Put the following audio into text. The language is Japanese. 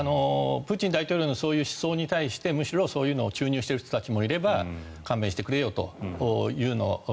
プーチン大統領のそういう思想に対してむしろそういうのを注入している人もいれば勘弁してくれよというのを。